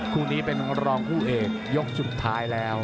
คู่นี้เป็นรองคู่เอกยกสุดท้ายแล้ว